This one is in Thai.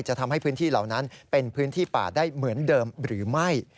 จะทำให้พื้นที่เหล่านั้นเป็นพื้นที่ป่าได้เหมือนเดิมหรือไม่